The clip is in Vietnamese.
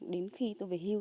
đến khi tôi về hiệp